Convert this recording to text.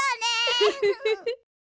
フフフフフ。